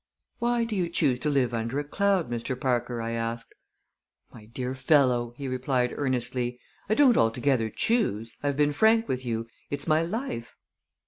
"Why do you choose to live under a cloud, Mr. Parker?" I asked. "My dear fellow," he replied earnestly, "I don't altogether choose. I have been frank with you. It's my life."